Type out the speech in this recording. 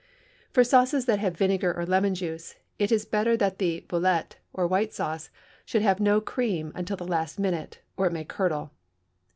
For sauces that have vinegar or lemon juice, it is better that the velouté, or white sauce, should have no cream until the last minute, or it may curdle.